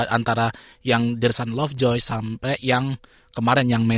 antara yang dirsand and lovejoy sampai yang kemarin yang may seribu sembilan ratus sembilan puluh delapan